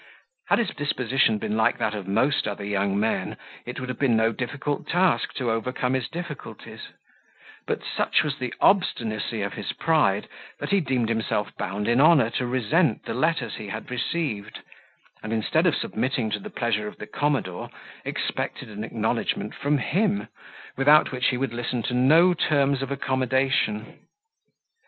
Had his disposition been like that of most other young men, it would have been no difficult task to overcome his difficulties; but such was the obstinacy of his pride, that he deemed himself bound in honour to resent the letters he had received; and instead of submitting to the pleasure of the commodore, expected an acknowledgment from him, without which he would listen to no terms of accommodation.